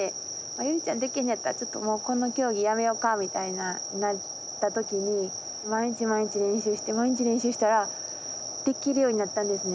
「ゆりちゃんできんのやったらちょっとこの競技やめようか」みたいななった時に毎日毎日練習して毎日練習したらできるようになったんですね。